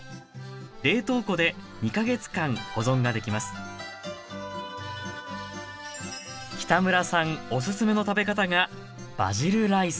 冷凍庫で２か月間保存ができます北村さんおすすめの食べ方が「バジルライス」。